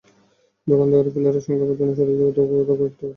দোকানঘরের পিলারের সঙ্গে আবর্জনা জড়িয়ে কোথাও কোথাও খালটি একবারেই বন্ধ হয়ে গেছে।